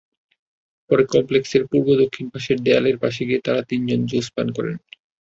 পরে কমপ্লেক্সের পূর্ব-দক্ষিণ পাশের দেয়ালের পাশে গিয়ে তাঁরা তিনজন জুস পান করেন।